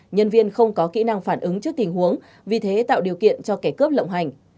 nhân viên không có kỹ năng phản ứng trước tình huống vì thế tạo điều kiện cho kẻ cướp lộng hành